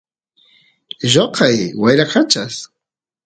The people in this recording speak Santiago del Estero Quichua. lloqay wyrakachas